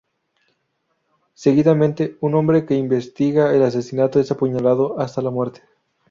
Seguidamente, un hombre que investiga el asesinato es apuñalado hasta la muerte.